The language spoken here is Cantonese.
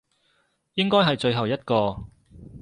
應該係最後一個